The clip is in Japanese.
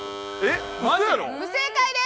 不正解です。